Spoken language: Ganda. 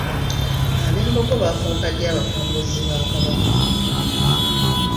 Abembogo baafuuka ddi abakongozzi ba Kabaka?